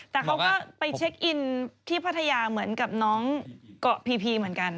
แต่เขาก็ไปเช็คอินที่พัทยาเหมือนกับน้องเกาะพีเหมือนกัน